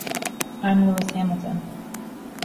I'm Lewis Hamilton.